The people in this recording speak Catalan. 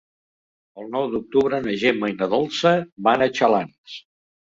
El nou d'octubre na Gemma i na Dolça van a Xalans.